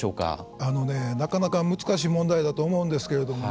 あのね、なかなか難しい問題だと思うんですけれどもね